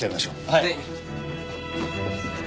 はい。